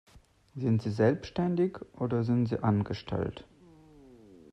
Sind sie selbstständig oder sind sie Angestellt?